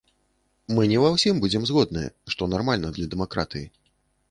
Мы не ва ўсім будзем згодныя, што нармальна для дэмакратыі.